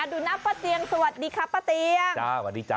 ดูนะป้าเตียงสวัสดีครับป้าเตียงจ้าสวัสดีจ้